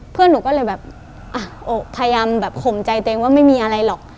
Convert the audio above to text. เพื่อนหนูก็เลยแบบอ่ะพยายามแบบข่มใจตัวเองว่าไม่มีอะไรหรอก